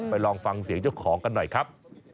ลองฟังเสียงเจ้าของกันหน่อยครับ